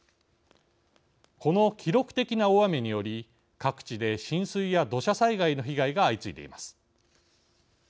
この記録的な大雨により各地で浸水や土砂災害の被害が相次いでいます。